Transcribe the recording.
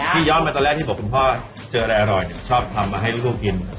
พี่ย้อนเป็นตอนแรกที่พ่อจะบอกว่าเจออะไรอร่อยชอบทำมาให้ลูกคือกิน